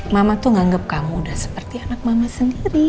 mama tuh menganggap kamu udah seperti anak mama sendiri